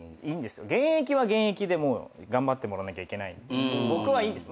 現役は現役でもう頑張ってもらわなきゃいけないんで僕はいいです。